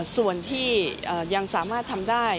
ส่วนที่ยังสามารถทำได้